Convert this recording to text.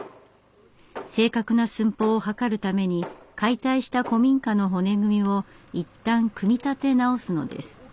正確な寸法を測るために解体した古民家の骨組みをいったん組み立て直すのです。